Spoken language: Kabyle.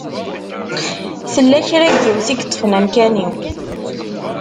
Tella kra n yiwet i yeṭṭfen amkan-iw.